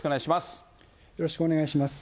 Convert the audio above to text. よろしくお願いします。